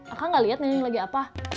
akan gak liat neneknya lagi apa